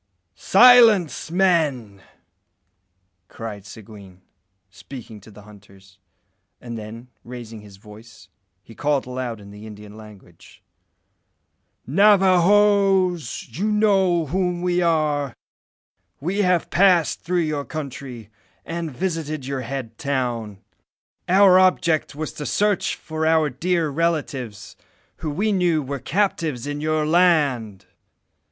"Silence, men!" cried Seguin, speaking to the hunters; and then, raising his voice, he called aloud in the Indian language "Navajoes! you know whom we are. We have passed through your country, and visited your head town. Our object was to search for our dear relatives, who we knew were captives in your land.